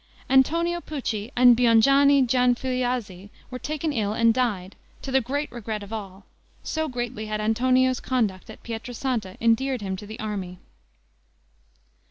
Antonio Pucci and Biongianni Gianfigliazzi were taken ill and died, to the great regret of all, so greatly had Antonio's conduct at Pietra Santa endeared him to the army.